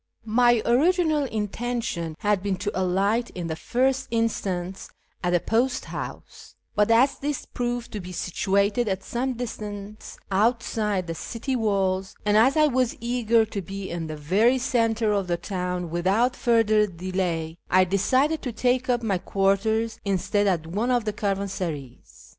My original intention had been to alight in the first instance at the post house, but as this proved to be situated at some distance outside the city walls, and as I was eager to be in the very centre of the town without further delay, I decided to take up my quarters instead at one of the caravan sarays.